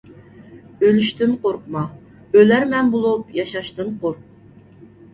ئۆلۈشتىن قورقما، ئۆلەرمەن بولۇپ ياشاشتىن قورق.